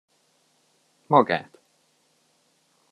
Magát!